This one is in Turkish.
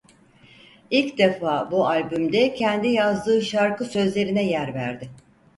İlk defa bu albümde kendi yazdığı şarkı sözlerine yer verdi.